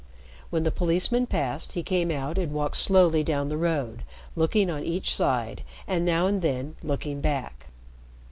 When the policeman passed, he came out and walked slowly down the road, looking on each side, and now and then looking back.